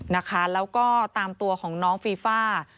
นะคะแล้วก็ตามตัวของน้องฟีฟ่า